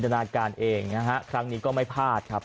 นาการเองนะฮะครั้งนี้ก็ไม่พลาดครับ